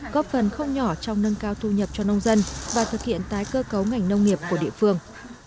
góp phần không nhỏ trong nâng cao thu nhập cho nông dân và thực hiện tái cơ cấu ngành nông nghiệp của địa phương